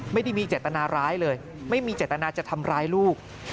ไม่ได้มีเจตนาร้ายเลยไม่มีเจตนาจะทำร้ายลูก